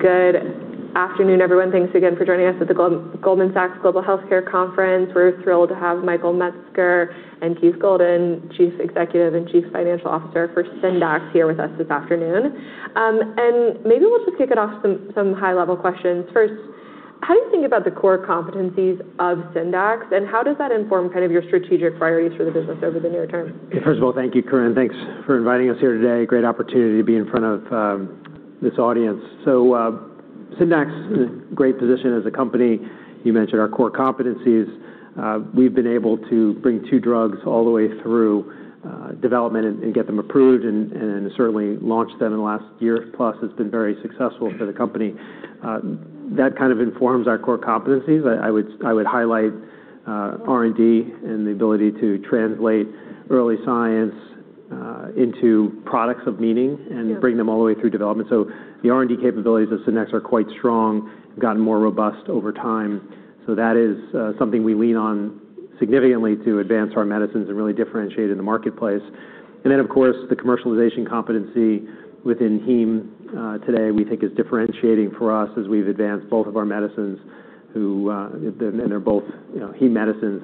Good afternoon, everyone. Thanks again for joining us at the Goldman Sachs Global Healthcare Conference. We are thrilled to have Michael Metzger and Keith Goldan, Chief Executive and Chief Financial Officer for Syndax, here with us this afternoon. Maybe we will just kick it off with some high-level questions. First, how do you think about the core competencies of Syndax, and how does that inform your strategic priorities for the business over the near term? First of all, thank you, Corinne. Thanks for inviting us here today. Great opportunity to be in front of this audience. Syndax is in a great position as a company. You mentioned our core competencies. We have been able to bring two drugs all the way through development and get them approved and certainly launch them in the last year plus. It has been very successful for the company. That kind of informs our core competencies. I would highlight R&D and the ability to translate early science into products of meaning and bring them all the way through development. The R&D capabilities of Syndax are quite strong, have gotten more robust over time. That is something we lean on significantly to advance our medicines and really differentiate in the marketplace. Then, of course, the commercialization competency within heme today, we think is differentiating for us as we have advanced both of our medicines, and they are both heme medicines,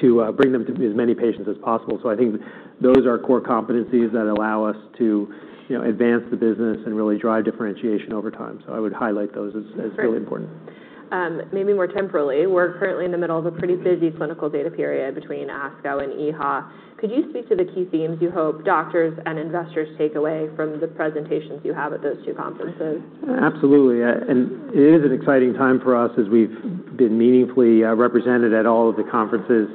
to bring them to as many patients as possible. I think those are core competencies that allow us to advance the business and really drive differentiation over time. I would highlight those as really important. Great. Maybe more temporally, we are currently in the middle of a pretty busy clinical data period between ASCO and EHA. Could you speak to the key themes you hope doctors and investors take away from the presentations you have at those two conferences? It is an exciting time for us as we've been meaningfully represented at all of the conferences,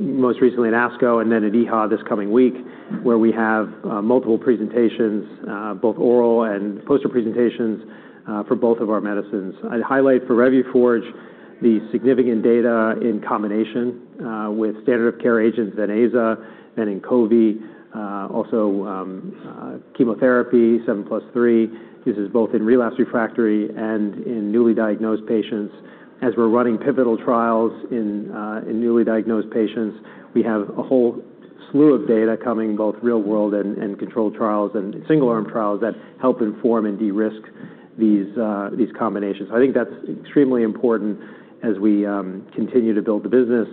most recently at ASCO and at EHA this coming week, where we have multiple presentations, both oral and poster presentations, for both of our medicines. I'd highlight for Revuforj, the significant data in combination with standard of care agents, venetoclax and INQOVI, also chemotherapy, seven+three. This is both in relapsed refractory and in newly diagnosed patients. We're running pivotal trials in newly diagnosed patients, we have a whole slew of data coming, both real world and controlled trials and single-arm trials that help inform and de-risk these combinations. I think that's extremely important as we continue to build the business,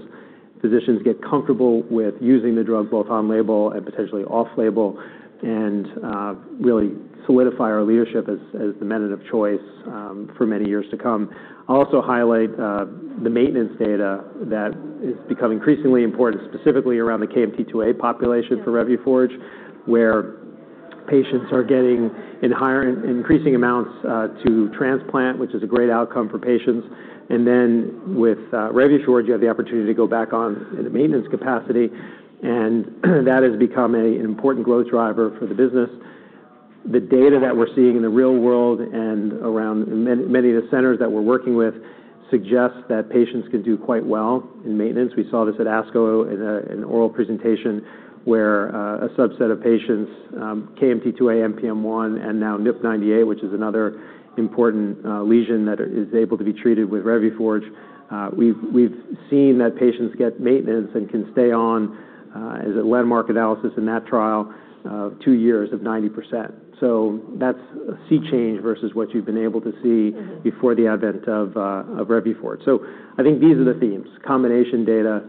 physicians get comfortable with using the drug both on-label and potentially off-label, and really solidify our leadership as the method of choice for many years to come. I'll also highlight the maintenance data that is becoming increasingly important, specifically around the KMT2A population for Revuforj, where patients are getting in higher, increasing amounts to transplant, which is a great outcome for patients. Then with Revuforj, you have the opportunity to go back on in a maintenance capacity, and that has become an important growth driver for the business. The data that we're seeing in the real world and around many of the centers that we're working with suggest that patients can do quite well in maintenance. We saw this at ASCO in an oral presentation where a subset of patients, KMT2A, NPM1, and NUP98, which is another important lesion that is able to be treated with Revuforj. We've seen that patients get maintenance and can stay on, as a landmark analysis in that trial, two years of 90%. That's a sea change versus what you've been able to see before the advent of Revuforj. I think these are the themes, combination data,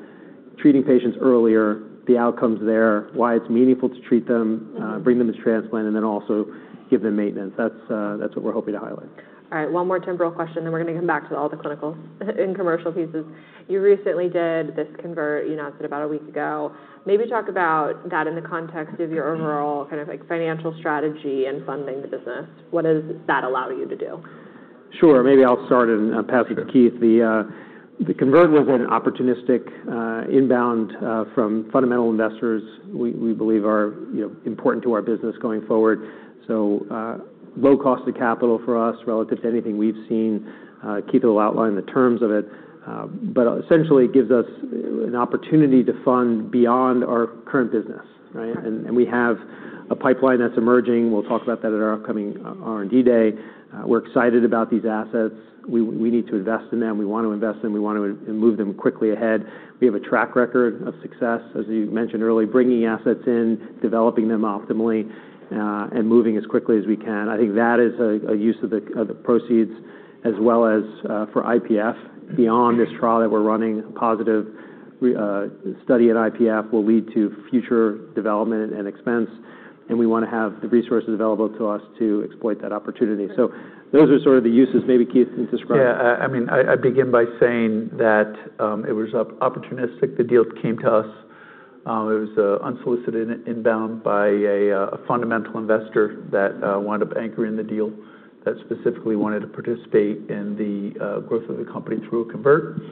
treating patients earlier, the outcomes there, why it's meaningful to treat them, bring them to transplant, and also give them maintenance. That's what we're hoping to highlight. All right. One more temporal question, we're going to come back to all the clinical and commercial pieces. You recently did this convert, you announced it about a week ago. Maybe talk about that in the context of your overall financial strategy and funding the business. What does that allow you to do? Sure. Maybe I'll start and pass it to Keith. The convert was an opportunistic inbound from fundamental investors we believe are important to our business going forward. Low cost of capital for us relative to anything we've seen. Keith will outline the terms of it. Essentially, it gives us an opportunity to fund beyond our current business, right? We have a pipeline that's emerging. We'll talk about that at our upcoming R&D day. We're excited about these assets. We need to invest in them. We want to invest in them. We want to move them quickly ahead. We have a track record of success, as you mentioned earlier, bringing assets in, developing them optimally, and moving as quickly as we can. I think that is a use of the proceeds as well as for IPF. Beyond this trial that we're running, a positive study at IPF will lead to future development and expense, and we want to have the resources available to us to exploit that opportunity. Those are sort of the uses. Maybe Keith can describe. Yeah. I mean, I begin by saying that it was opportunistic. The deal came to us. It was unsolicited inbound by a fundamental investor that wound up anchoring the deal, that specifically wanted to participate in the growth of the company through a convert.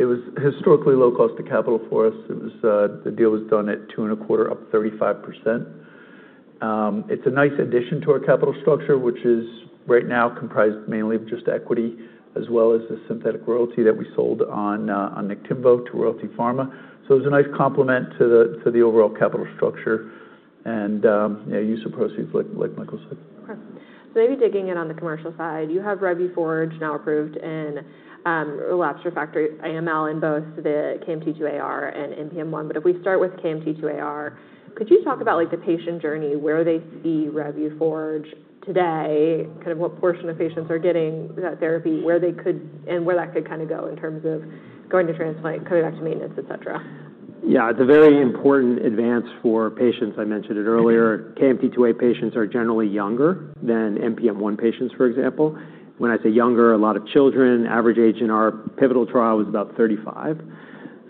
It was historically low cost of capital for us. The deal was done at two and a quarter, up 35%. It's a nice addition to our capital structure, which is right now comprised mainly of just equity, as well as the synthetic royalty that we sold on Niktimvo to Royalty Pharma. It was a nice complement to the overall capital structure and use of proceeds, like Michael said. Great. Maybe digging in on the commercial side, you have REVYFORGE now approved in relapsed/refractory AML in both the KMT2AR and NPM1. If we start with KMT2AR, could you talk about the patient journey, where they see REVYFORGE today, what portion of patients are getting that therapy, and where that could go in terms of going to transplant, coming back to maintenance, et cetera? Yeah. It's a very important advance for patients. I mentioned it earlier, KMT2A patients are generally younger than NPM1 patients, for example. When I say younger, a lot of children, average age in our pivotal trial was about 35.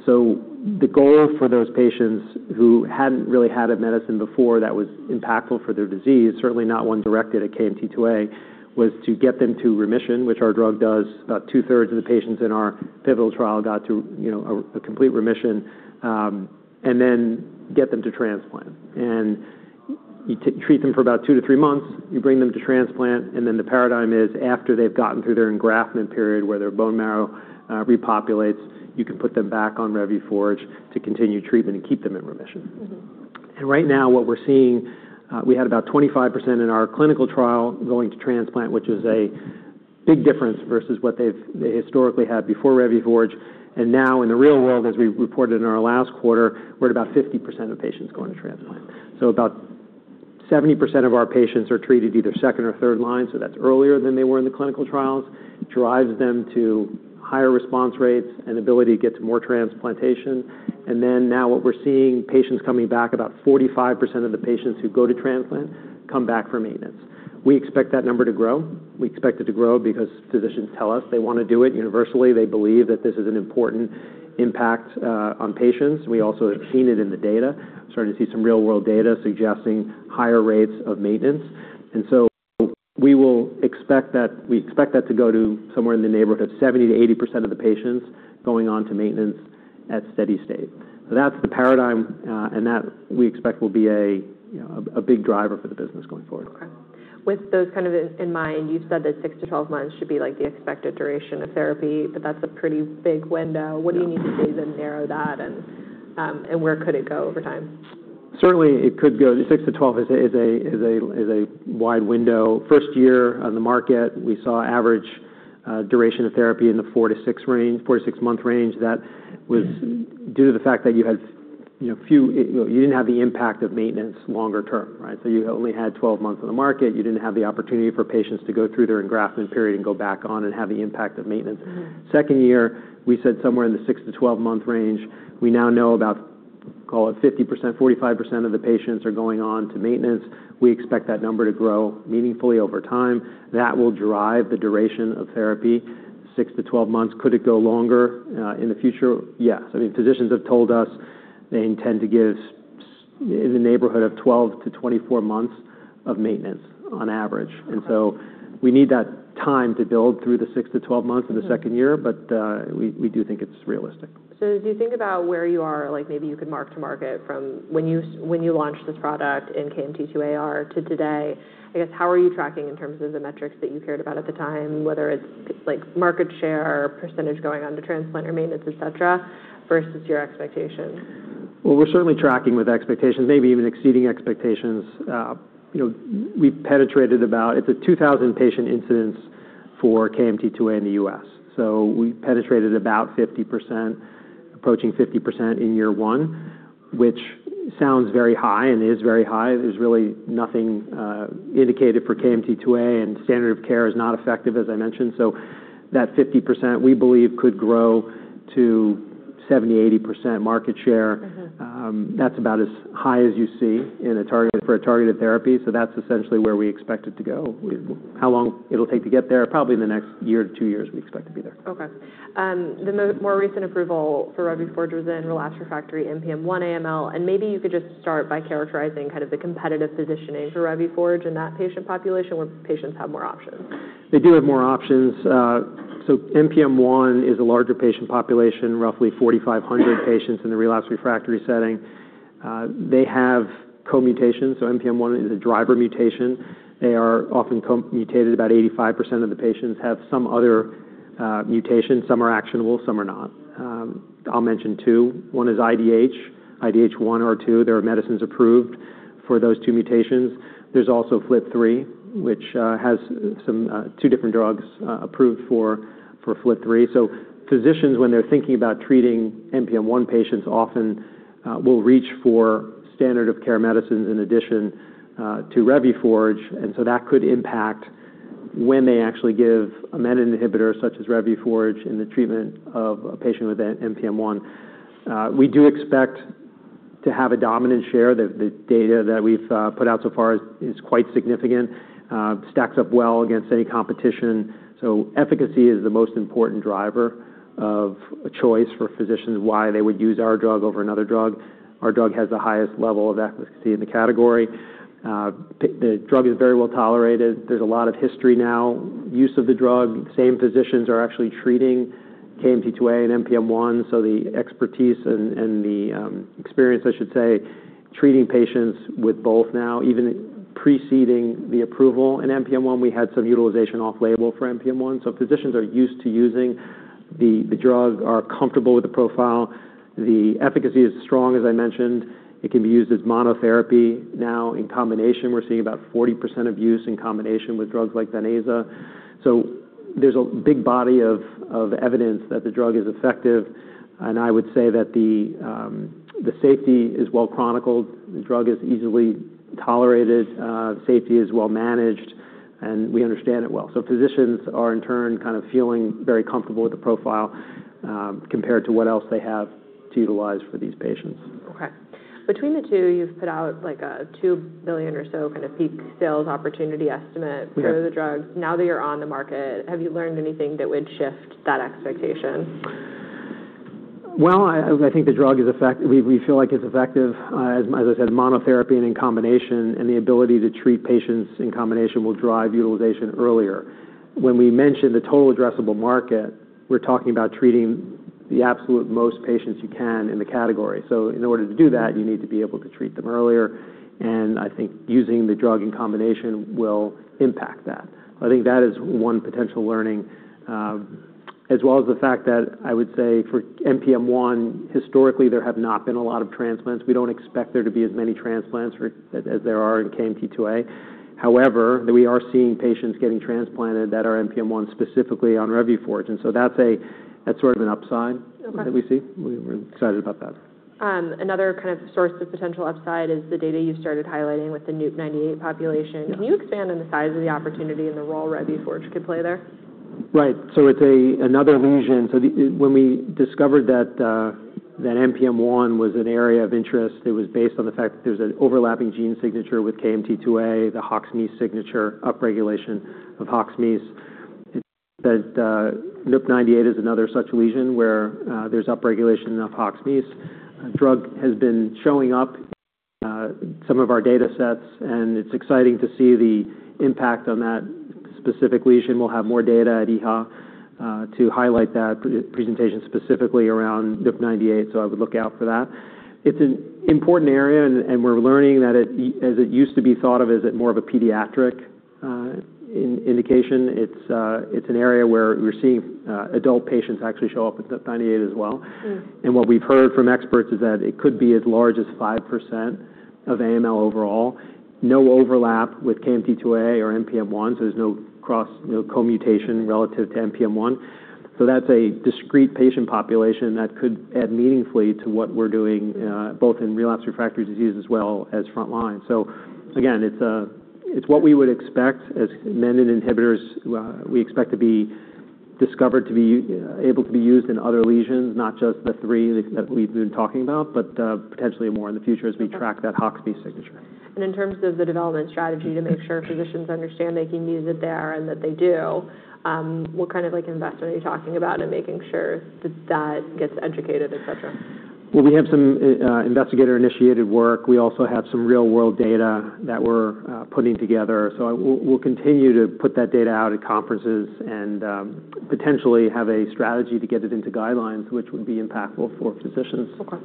The goal for those patients who hadn't really had a medicine before that was impactful for their disease, certainly not one directed at KMT2A, was to get them to remission, which our drug does. About two-thirds of the patients in our pivotal trial got to a complete remission, and then get them to transplant. You treat them for about two - three months, you bring them to transplant, and then the paradigm is after they've gotten through their engraftment period where their bone marrow repopulates, you can put them back on Revuforj to continue treatment and keep them in remission. Right now, what we're seeing, we had about 25% in our clinical trial going to transplant, which is a big difference versus what they historically had before Revuforj. Now in the real world, as we reported in our last quarter, we're at about 50% of patients going to transplant. About 70% of our patients are treated either second or third line, so that's earlier than they were in the clinical trials, drives them to higher response rates and ability to get to more transplantation. Now what we're seeing, patients coming back, about 45% of the patients who go to transplant come back for maintenance. We expect that number to grow. We expect it to grow because physicians tell us they want to do it universally. They believe that this is an important impact on patients. We also have seen it in the data, starting to see some real-world data suggesting higher rates of maintenance. We expect that to go to somewhere in the neighborhood of 70%-80% of the patients going on to maintenance at steady state. That's the paradigm, and that we expect will be a big driver for the business going forward. Okay. With those in mind, you said that 6 - 12 months should be the expected duration of therapy, that's a pretty big window. Yeah. What do you need to see to narrow that, and where could it go over time? Certainly, it could go 6 - 12 is a wide window. first year on the market, we saw average duration of therapy in the four - six-month range. That was due to the fact that you didn't have the impact of maintenance longer term, right? You only had 12 months on the market. You didn't have the opportunity for patients to go through their engraftment period and go back on and have the impact of maintenance. second year, we said somewhere in the 6- 12-month range. We now know about, call it 50%, 45% of the patients are going on to maintenance. We expect that number to grow meaningfully over time. That will drive the duration of therapy, 6- 12 months. Could it go longer, in the future? Yes. Physicians have told us they intend to give in the neighborhood of 12 - 24 months of maintenance on average. Okay. We need that time to build through the 6- 12 months in the second year, but we do think it's realistic. As you think about where you are, maybe you could mark to market from when you launched this product in KMT2AR to today, how are you tracking in terms of the metrics that you cared about at the time, whether it's market share or percentage going on to transplant or maintenance, et cetera, versus your expectations? Well, we're certainly tracking with expectations, maybe even exceeding expectations. It's a 2,000 patient incidence for KMT2A in the U.S. We penetrated about 50%, approaching 50% in year one, which sounds very high and is very high. There's really nothing indicated for KMT2A, and standard of care is not effective, as I mentioned. That 50%, we believe could grow to 70%, 80% market share. That's about as high as you see for a targeted therapy. That's essentially where we expect it to go. How long it'll take to get there? Probably in the next year to two years, we expect to be there. Okay. The more recent approval for Revuforj was in relapsed/refractory NPM1 AML, and maybe you could just start by characterizing the competitive positioning for Revuforj in that patient population where patients have more options. They do have more options. NPM1 is a larger patient population, roughly 4,500 patients in the relapsed/refractory setting. They have co-mutations, NPM1 is a driver mutation. They are often co-mutated. About 85% of the patients have some other mutation. Some are actionable, some are not. I will mention two. One is IDH, IDH1 or two. There are medicines approved for those two mutations. There is also FLT3, which has two different drugs approved for FLT3. Physicians, when they are thinking about treating NPM1 patients, often will reach for standard of care medicines in addition to Revuforj, that could impact when they actually give a menin inhibitor such as Revuforj in the treatment of a patient with NPM1. We do expect to have a dominant share. The data that we have put out so far is quite significant, stacks up well against any competition. Efficacy is the most important driver of choice for physicians, why they would use our drug over another drug. Our drug has the highest level of efficacy in the category. The drug is very well tolerated. There is a lot of history now, use of the drug. Same physicians are actually treating KMT2A and NPM1, the expertise and the experience, I should say, treating patients with both now, even preceding the approval in NPM1, we had some utilization off-label for NPM1. Physicians are used to using the drug, are comfortable with the profile. The efficacy is strong, as I mentioned. It can be used as monotherapy now in combination, we are seeing about 40% of use in combination with drugs like venetoclax. There is a big body of evidence that the drug is effective, and I would say that the safety is well-chronicled. The drug is easily tolerated. Safety is well-managed. We understand it well. Physicians are, in turn, feeling very comfortable with the profile, compared to what else they have to utilize for these patients. Okay. Between the two, you have put out a $2 billion or so peak sales opportunity estimate. Yeah for the drugs. Now that you're on the market, have you learned anything that would shift that expectation? Well, I think we feel like it's effective, as I said, monotherapy and in combination, and the ability to treat patients in combination will drive utilization earlier. When we mention the total addressable market, we're talking about treating the absolute most patients you can in the category. In order to do that, you need to be able to treat them earlier, and I think using the drug in combination will impact that. I think that is one potential learning, as well as the fact that I would say for NPM1, historically, there have not been a lot of transplants. We don't expect there to be as many transplants as there are in KMT2A. However, we are seeing patients getting transplanted that are NPM1 specifically on Revuforj, and that's sort of an upside. Okay that we see. We're excited about that. Another kind of source of potential upside is the data you've started highlighting with the NUP98 population. Yeah. Can you expand on the size of the opportunity and the role Revuforj could play there? Right. It's another lesion. When we discovered that NPM1 was an area of interest, it was based on the fact that there's an overlapping gene signature with KMT2A, the HOXA9 signature, upregulation of HOXA9. NUP98 is another such lesion where there's upregulation of HOXA9. The drug has been showing up in some of our datasets, and it's exciting to see the impact on that specific lesion. We'll have more data at EHA to highlight that presentation specifically around NUP98. I would look out for that. It's an important area. We're learning that as it used to be thought of as more of a pediatric indication, it's an area where we're seeing adult patients actually show up with NUP98 as well. What we've heard from experts is that it could be as large as five percent of AML overall. No overlap with KMT2A or NPM1. There's no co-mutation relative to NPM1. That's a discrete patient population that could add meaningfully to what we're doing, both in relapsed/refractory disease as well as frontline. Again, it's what we would expect as menin inhibitors. We expect to be discovered to be able to be used in other lesions, not just the three that we've been talking about, but potentially more in the future as we track that HOXA9 signature. In terms of the development strategy to make sure physicians understand they can use it there and that they do, what kind of investment are you talking about in making sure that gets educated, et cetera? We have some investigator-initiated work. We also have some real-world data that we're putting together. We'll continue to put that data out at conferences and potentially have a strategy to get it into guidelines, which would be impactful for physicians. Okay.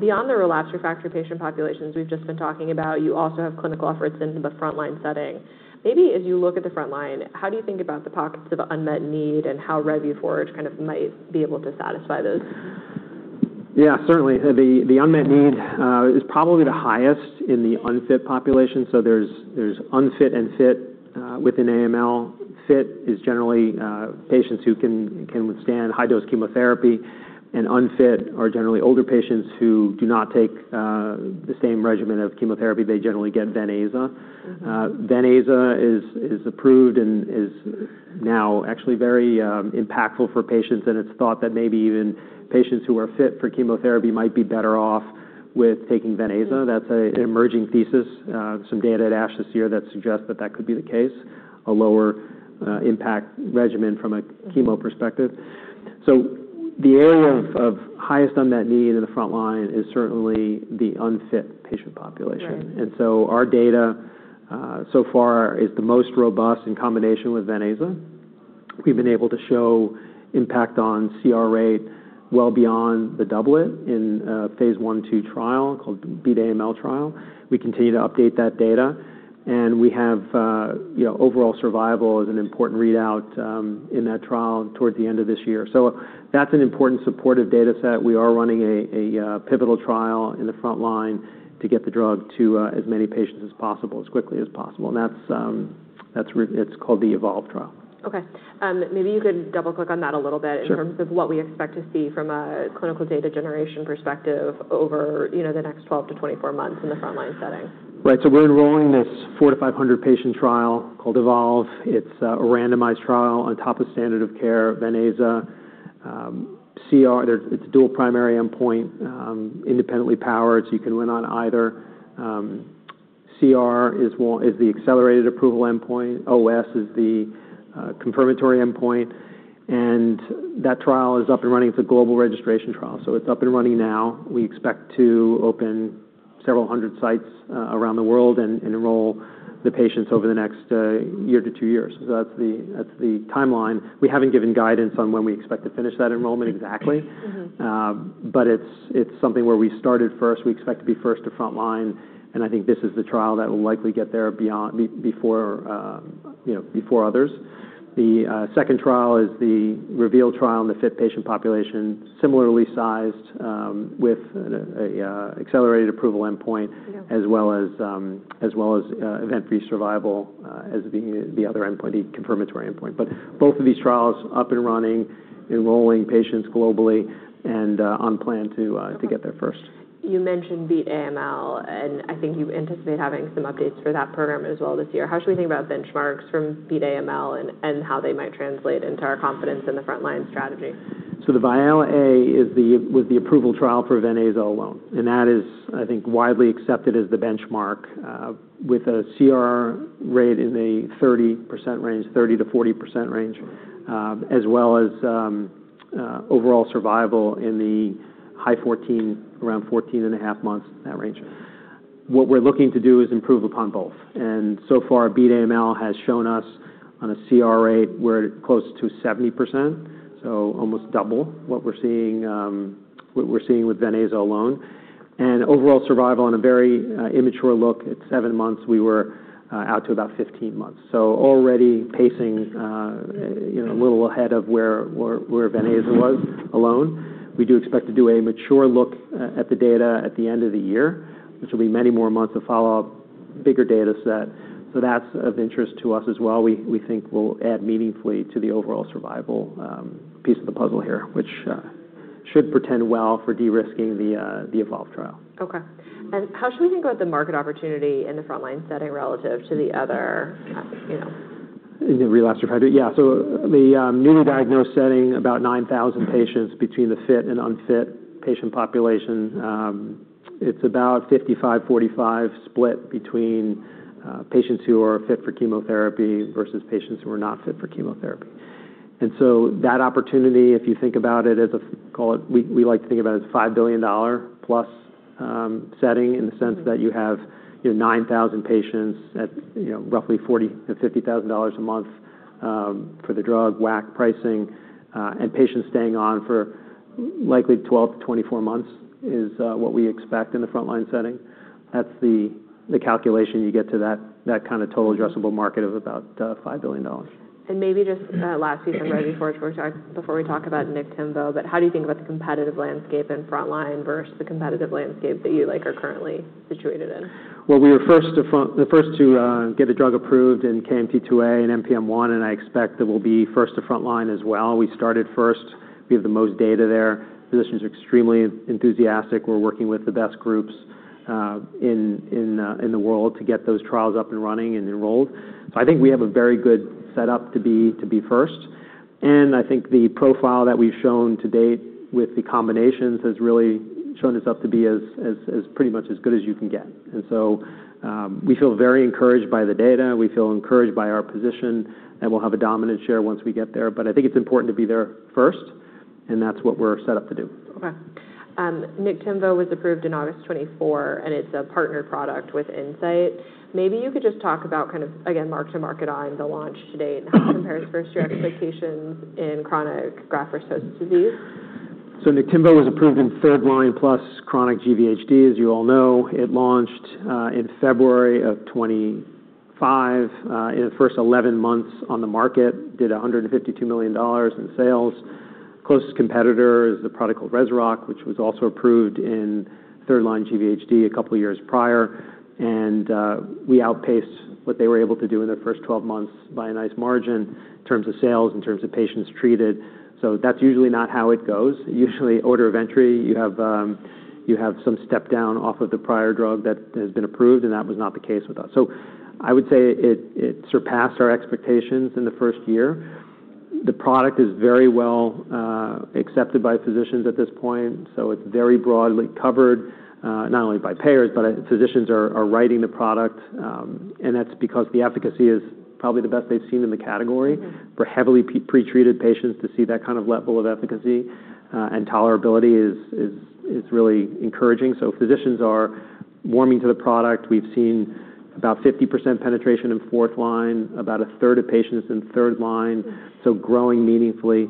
Beyond the relapsed/refractory patient populations we've just been talking about, you also have clinical efforts in the frontline setting. Maybe as you look at the frontline, how do you think about the pockets of unmet need and how Revuforj kind of might be able to satisfy those? Yeah, certainly. The unmet need is probably the highest in the unfit population. There's unfit and fit within AML. Fit is generally patients who can withstand high-dose chemotherapy, and unfit are generally older patients who do not take the same regimen of chemotherapy. They generally get Venaza. Venaza is approved and is now actually very impactful for patients, and it's thought that maybe even patients who are fit for chemotherapy might be better off with taking Venaza. That's an emerging thesis. Some data at ASH this year that suggests that that could be the case, a lower impact regimen from a chemo perspective. The area of highest unmet need in the frontline is certainly the unfit patient population. Right. Our data so far is the most robust in combination with Venaza. We've been able to show impact on CR rate well beyond the doublet in a phase I/II trial called BEAT-AML trial. We continue to update that data, and we have overall survival as an important readout in that trial toward the end of this year. That's an important supportive dataset. We are running a pivotal trial in the frontline to get the drug to as many patients as possible, as quickly as possible, and it's called the EVOLVE trial. Okay. Maybe you could double-click on that a little bit. Sure In terms of what we expect to see from a clinical data generation perspective over the next 12 - 24 months in the frontline setting. Right. We're enrolling this 400 - 500-patient trial called EVOLVE. It's a randomized trial on top of standard of care, Venaza. It's a dual primary endpoint, independently powered, so you can win on either. CR is the accelerated approval endpoint, OS is the confirmatory endpoint, that trial is up and running. It's a global registration trial, it's up and running now. We expect to open several hundred sites around the world and enroll the patients over the next one year - two years. That's the timeline. We haven't given guidance on when we expect to finish that enrollment exactly. It's something where we started first. We expect to be first to frontline, and I think this is the trial that will likely get there before others. The second trial is the REVEAL trial in the fit patient population, similarly sized with an accelerated approval endpoint, as well as event-free survival as the other endpoint, the confirmatory endpoint. Both of these trials up and running, enrolling patients globally, and on plan to get there first. You mentioned Beat AML, and I think you anticipate having some updates for that program as well this year. How should we think about benchmarks from Beat AML and how they might translate into our confidence in the frontline strategy? The VIALE-A was the approval trial for venetoclax alone, and that is, I think, widely accepted as the benchmark with a CRR rate in a 30% range, 30%-40% range, as well as overall survival in the high 14, around 14 and a half months, that range. What we're looking to do is improve upon both. So far, Beat AML has shown us on a CR where close to 70%, so almost double what we're seeing with venetoclax alone, and overall survival on a very immature look at seven months, we were out to about 15 months. Already pacing a little ahead of where venetoclax was alone. We do expect to do a mature look at the data at the end of the year, which will be many more months of follow-up, bigger data set. That's of interest to us as well. We think will add meaningfully to the overall survival piece of the puzzle here, which should portend well for de-risking the EVOLVE trial. Okay. How should we think about the market opportunity in the frontline setting relative to the other? In the relapsed or refractory? Yeah. The newly diagnosed setting, about 9,000 patients between the fit and unfit patient population. It's about 55/45 split between patients who are fit for chemotherapy versus patients who are not fit for chemotherapy. That opportunity, if you think about it, we like to think about it as a $5 billion-plus setting in the sense that you have 9,000 patients at roughly $40,000-$50,000 a month for the drug, WAC pricing, and patients staying on for likely 12 - 24 months is what we expect in the frontline setting. That's the calculation you get to that kind of total addressable market of about $5 billion. Maybe just last, before we talk about Niktimvo, how do you think about the competitive landscape in frontline versus the competitive landscape that you are currently situated in? Well, we were first to get a drug approved in KMT2A and NPM1. I expect that we'll be first to frontline as well. We started first. We have the most data there. Physicians are extremely enthusiastic. We're working with the best groups in the world to get those trials up and running and enrolled. I think we have a very good setup to be first. I think the profile that we've shown to date with the combinations has really shown itself to be as pretty much as good as you can get. We feel very encouraged by the data. We feel encouraged by our position, and we'll have a dominant share once we get there. I think it's important to be there first, and that's what we're set up to do. Okay. Niktimvo was approved in August 2024, it's a partner product with Incyte. Maybe you could just talk about, again, mark-to-market on the launch to date and how it compares versus your expectations in chronic graft-versus-host disease. Niktimvo was approved in third-line plus chronic GVHD, as you all know. It launched in February of 2025. In the first 11 months on the market, did $152 million in sales. Closest competitor is a product called REZUROCK, which was also approved in third-line GVHD a couple of years prior, we outpaced what they were able to do in their first 12 months by a nice margin in terms of sales, in terms of patients treated. That's usually not how it goes. Usually, order of entry, you have some step down off of the prior drug that has been approved, that was not the case with us. I would say it surpassed our expectations in the first year. The product is very well accepted by physicians at this point, it's very broadly covered, not only by payers, physicians are writing the product, that's because the efficacy is probably the best they've seen in the category for heavily pre-treated patients to see that kind of level of efficacy and tolerability is really encouraging. Physicians are warming to the product. We've seen about 50% penetration in fourth-line, about a third of patients in third-line, growing meaningfully.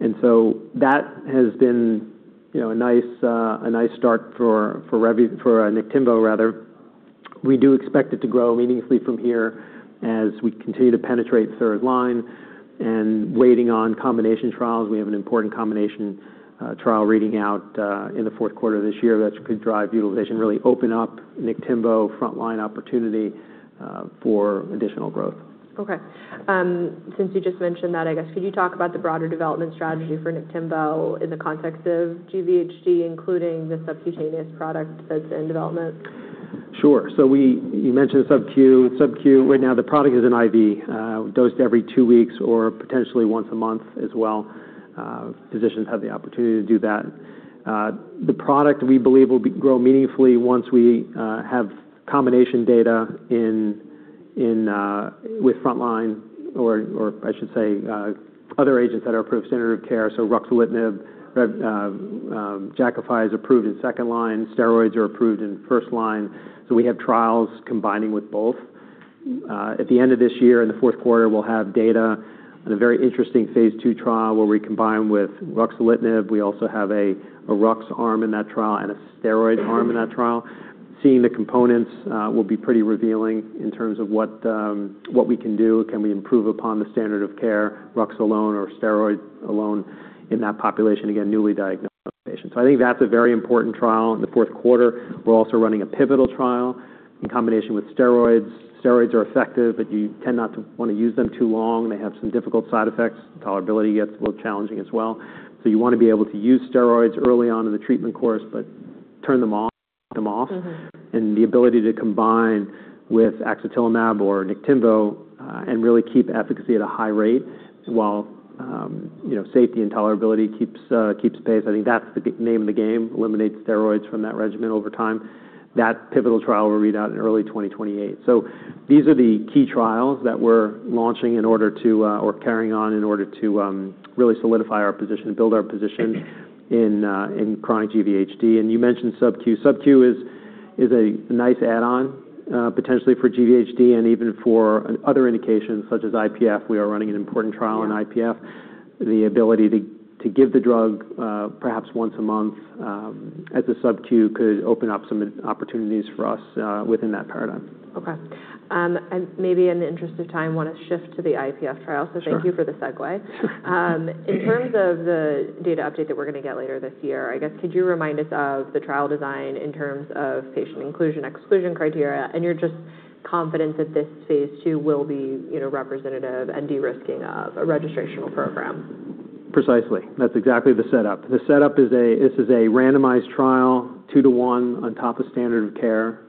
That has been a nice start for Niktimvo. We do expect it to grow meaningfully from here as we continue to penetrate third-line and waiting on combination trials. We have an important combination trial reading out in the Q4 of this year that could drive utilization, really open up Niktimvo frontline opportunity for additional growth. Okay. Since you just mentioned that, I guess, could you talk about the broader development strategy for Niktimvo in the context of GVHD, including the subcutaneous product that's in development? Sure. You mentioned Sub-Q. Sub-Q, right now the product is an IV, dosed every two weeks or potentially once a month as well. Physicians have the opportunity to do that. The product, we believe, will grow meaningfully once we have combination data with frontline, or I should say other agents that are approved standard of care. Ruxolitinib, Jakafi is approved in second line, steroids are approved in first line. We have trials combining with both. At the end of this year, in the Q4, we'll have data on a very interesting phase II trial where we combine with ruxolitinib. We also have a RUX arm in that trial and a steroid arm in that trial. Seeing the components will be pretty revealing in terms of what we can do. Can we improve upon the standard of care, RUX alone or steroid alone in that population, again, newly diagnosed patients? I think that's a very important trial. In the Q4, we're also running a pivotal trial in combination with steroids. Steroids are effective, but you tend not to want to use them too long, and they have some difficult side effects. Tolerability gets a little challenging as well. You want to be able to use steroids early on in the treatment course, but turn them off and wean them off. The ability to combine with axatilimab or Niktimvo and really keep efficacy at a high rate while safety and tolerability keeps pace, I think that's the name of the game, eliminate steroids from that regimen over time. That pivotal trial will read out in early 2028. These are the key trials that we're launching in order to, or carrying on in order to really solidify our position, build our position in chronic GVHD. You mentioned Sub-Q. Sub-Q is a nice add-on, potentially for GVHD and even for other indications such as IPF. We are running an important trial. Yeah In IPF. The ability to give the drug, perhaps once a month, as a Sub-Q could open up some opportunities for us within that paradigm. Okay. Maybe in the interest of time, want to shift to the IPF trial. Sure. Thank you for the segue. In terms of the data update that we're going to get later this year, I guess, could you remind us of the trial design in terms of patient inclusion, exclusion criteria, and you're just confident that this phase II will be representative and de-risking of a registrational program? Precisely. That's exactly the setup. The setup is a randomized trial, two to one on top of standard of care.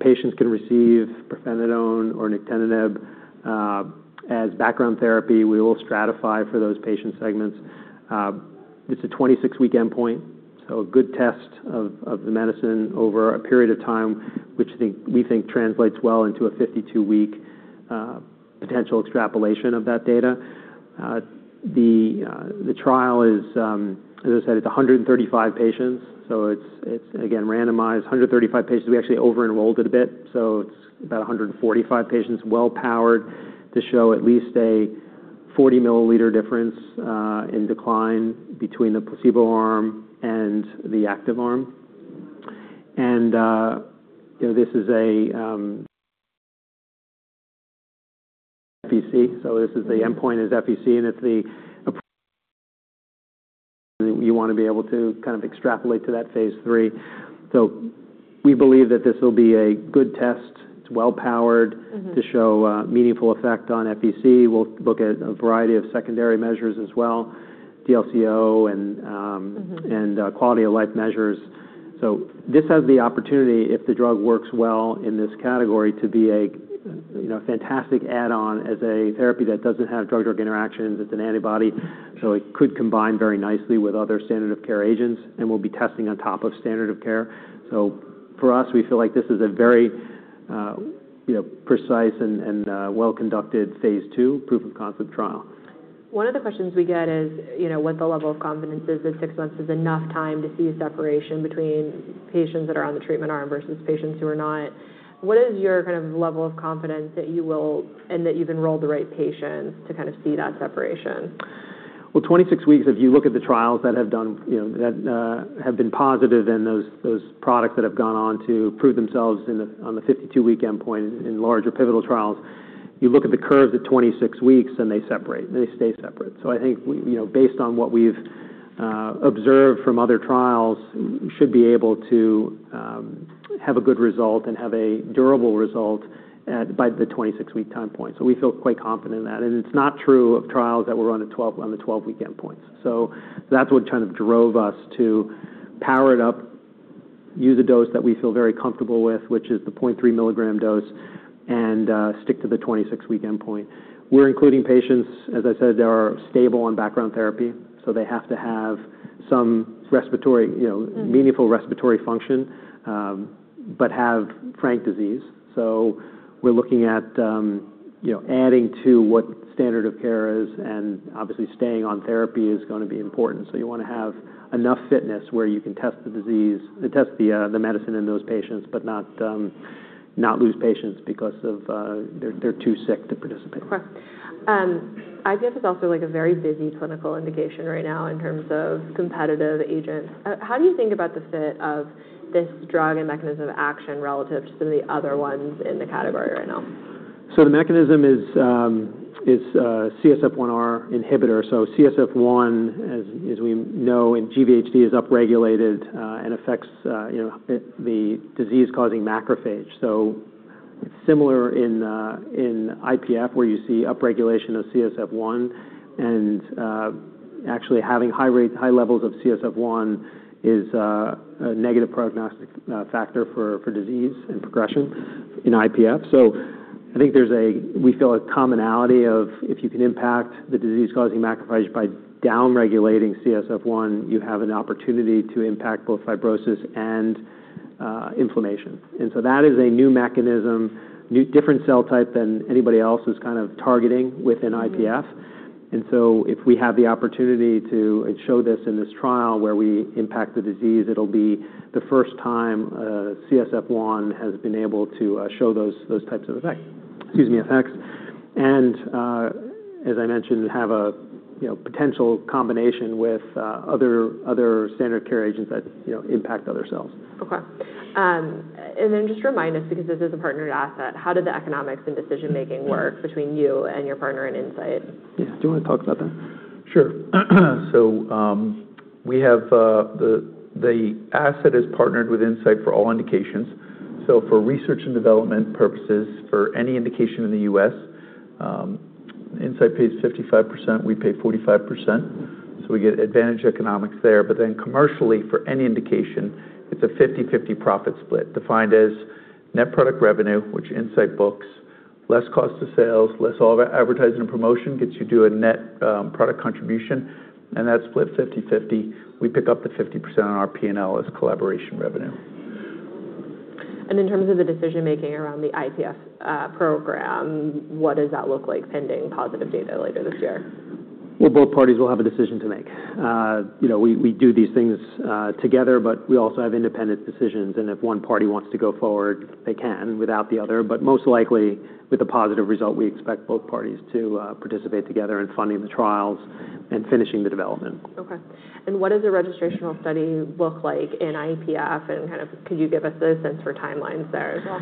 Patients can receive pirfenidone or nintedanib as background therapy. We will stratify for those patient segments. It's a 26-week endpoint, so a good test of the medicine over a period of time, which we think translates well into a 52-week potential extrapolation of that data. The trial is, as I said, it's 135 patients, so it's, again, randomized. 135 patients. We actually over-enrolled it a bit, so it's about 145 patients. Well powered to show at least a 40-milliliter difference in decline between the placebo arm and the active arm. This is a FVC, so the endpoint is FVC, and it's the approach you want to be able to extrapolate to that phase III. We believe that this will be a good test. It's well powered. to show a meaningful effect on FVC. We'll look at a variety of secondary measures as well, DLco. and quality of life measures. This has the opportunity, if the drug works well in this category, to be a fantastic add-on as a therapy that doesn't have drug-drug interactions. It's an antibody, so it could combine very nicely with other standard of care agents, and we'll be testing on top of standard of care. For us, we feel like this is a very precise and well-conducted phase II proof of concept trial. One of the questions we get is what the level of confidence is that six months is enough time to see a separation between patients that are on the treatment arm versus patients who are not. What is your level of confidence that you will, and that you've enrolled the right patients to see that separation? Well, 26 weeks, if you look at the trials that have been positive and those products that have gone on to prove themselves on the 52-week endpoint in larger pivotal trials, you look at the curves at 26 weeks, and they separate, and they stay separate. I think based on what we've observed from other trials, we should be able to have a good result and have a durable result by the 26-week time point. We feel quite confident in that. It's not true of trials that were on the 12-week endpoints. That's what drove us to power it up, use a dose that we feel very comfortable with, which is the 0.3 milligram dose, and stick to the 26-week endpoint. We're including patients, as I said, that are stable on background therapy, so they have to have some meaningful respiratory function, but have frank disease. We're looking at adding to what standard of care is and obviously staying on therapy is going to be important. You want to have enough fitness where you can test the medicine in those patients, but not lose patients because they're too sick to participate. Correct. IPF is also a very busy clinical indication right now in terms of competitive agents. How do you think about the fit of this drug and mechanism of action relative to the other ones in the category right now? The mechanism is a CSF1R inhibitor. CSF1, as we know in GVHD, is upregulated and affects the disease-causing macrophage. Similar in IPF, where you see upregulation of CSF1 and actually having high levels of CSF1 is a negative prognostic factor for disease and progression in IPF. I think we feel a commonality of, if you can impact the disease-causing macrophage by downregulating CSF1, you have an opportunity to impact both fibrosis and inflammation. That is a new mechanism, different cell type than anybody else is targeting within IPF. If we have the opportunity to show this in this trial where we impact the disease, it'll be the first time CSF1 has been able to show those types of effects. Excuse me, effects. As I mentioned, we have a potential combination with other standard care agents that impact other cells. Okay. Just remind us, because this is a partnered asset, how do the economics and decision-making work between you and your partner in Incyte? Yeah. Do you want to talk about that? Sure. The asset is partnered with Incyte for all indications. For research and development purposes, for any indication in the U.S., Incyte pays 55%, we pay 45%. We get advantage economics there, then commercially, for any indication, it's a 50/50 profit split, defined as net product revenue, which Incyte books, less cost of sales, less all of our advertising and promotion, gets you to a net product contribution, and that's split 50/50. We pick up the 50% on our P&L as collaboration revenue. In terms of the decision-making around the IPF program, what does that look like pending positive data later this year? Well, both parties will have a decision to make. We do these things together, but we also have independent decisions, and if one party wants to go forward, they can without the other. Most likely, with a positive result, we expect both parties to participate together in funding the trials and finishing the development. Okay. What does a registrational study look like in IPF, and could you give us a sense for timelines there as well?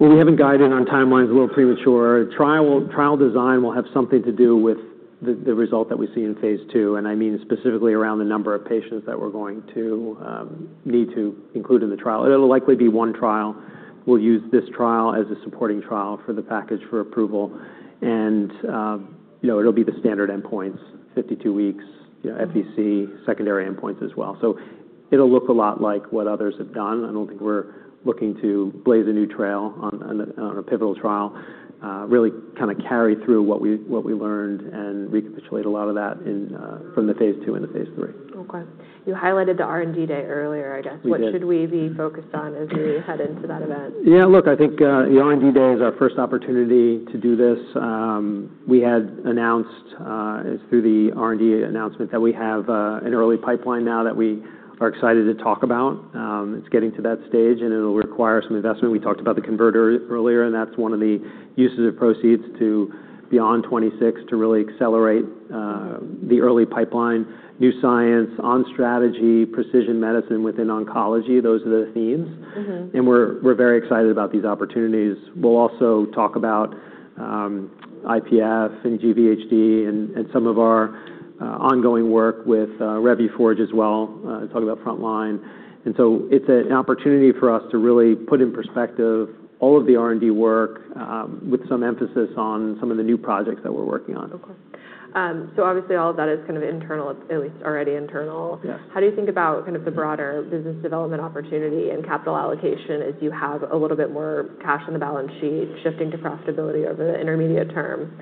Well, we haven't guided on timelines. A little premature. Trial design will have something to do with the result that we see in phase II, and I mean specifically around the number of patients that we're going to need to include in the trial. It'll likely be one trial. We'll use this trial as a supporting trial for the package for approval. It'll be the standard endpoints, 52 weeks, FVC, secondary endpoints as well. It'll look a lot like what others have done. I don't think we're looking to blaze a new trail on a pivotal trial. Really carry through what we learned and recapitulate a lot of that from the phase II into phase III. Okay. You highlighted the R&D day earlier, I guess. We did. What should we be focused on as we head into that event? Yeah, look, I think the R&D day is our first opportunity to do this. We had announced, it was through the R&D announcement, that we have an early pipeline now that we are excited to talk about. It's getting to that stage, and it'll require some investment. We talked about the converter earlier, and that's one of the uses of proceeds to beyond 2026 to really accelerate the early pipeline, new science on strategy, precision medicine within oncology. Those are the themes. We're very excited about these opportunities. We'll also talk about IPF and GVHD and some of our ongoing work with REZUROCK as well, talk about frontline. So it's an opportunity for us to really put in perspective all of the R&D work, with some emphasis on some of the new projects that we're working on. Obviously all of that is internal, at least already internal. Yes. How do you think about the broader business development opportunity and capital allocation as you have a little bit more cash on the balance sheet shifting to profitability over the intermediate term?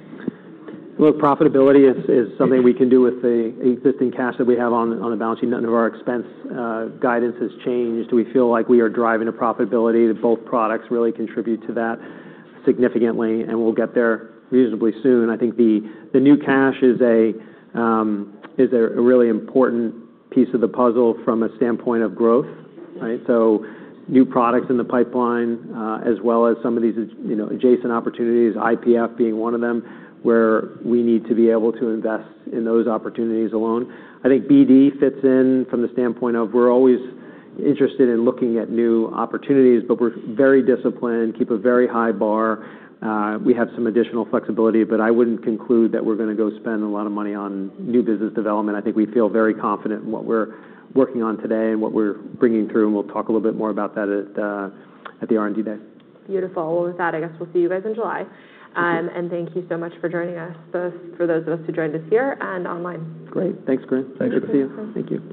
Profitability is something we can do with the existing cash that we have on the balance sheet. None of our expense guidance has changed. We feel like we are driving to profitability, that both products really contribute to that significantly, we'll get there reasonably soon. I think the new cash is a really important piece of the puzzle from a standpoint of growth, right? New products in the pipeline, as well as some of these adjacent opportunities, IPF being one of them, where we need to be able to invest in those opportunities alone. I think BD fits in from the standpoint of we're always interested in looking at new opportunities, we're very disciplined, keep a very high bar. We have some additional flexibility, I wouldn't conclude that we're going to go spend a lot of money on new business development. I think we feel very confident in what we're working on today and what we're bringing through, we'll talk a little bit more about that at the R&D day. Beautiful. Well, with that, I guess we'll see you guys in July. Thank you. Thank you so much for joining us, both for those of us who joined us here and online. Great. Thanks, Corinne. Thanks. Good to see you. Thank you.